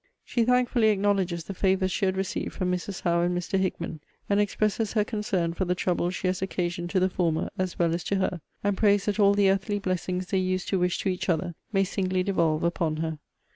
She 'thankfully acknowledges the favours she had received from Mrs. Howe and Mr. Hickman; and expresses her concern for the trouble she has occasioned to the former, as well as to her; and prays that all the earthly blessings they used to wish to each other, may singly devolve upon her.'